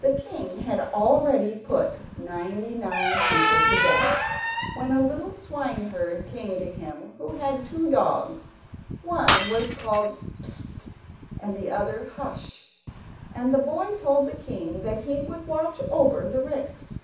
The king had already put ninety nine people to death, when a little swineherd came to him who had two dogs; one was called "Psst," and the other "Hush"; and the boy told the king that he would watch over the ricks.